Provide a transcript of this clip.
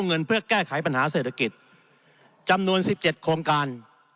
เงินเพื่อแก้ไขปัญหาเศรษฐกิจจำนวน๑๗โครงการ